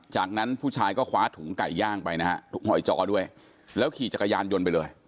จากนั้นผู้ชายก็คว้าถุงไก่ย่างไปนะฮะถุงหอยจอด้วยแล้วขี่จักรยานยนต์ไปเลย